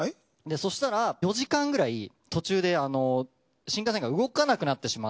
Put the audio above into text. そしたら４時間くらい途中で新幹線が動かなくなってしまって。